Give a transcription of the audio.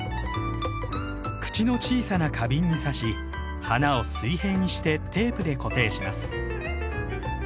口の小さな花瓶に挿し花を水平にしてテープで固定します。